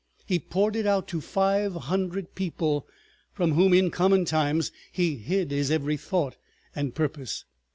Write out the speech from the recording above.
He poured it out to five hundred people, from whom in common times he hid his every thought and purpose.